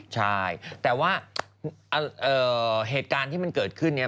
ใช่แต่ว่าเหตุการณ์ที่มันเกิดขึ้นเนี่ย